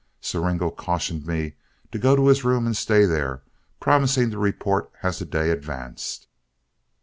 Siringo cautioned me to go to his room and stay there, promising to report as the day advanced.